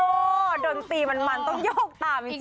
โอ้โหดนตรีมันต้องโยกตามจริง